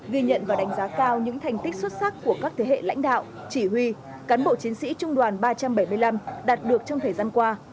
ghi nhận và đánh giá cao những thành tích xuất sắc của các thế hệ lãnh đạo chỉ huy cán bộ chiến sĩ trung đoàn ba trăm bảy mươi năm đạt được trong thời gian qua